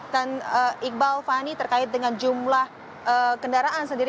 dan iqbal fani terkait dengan jumlah kendaraan sendiri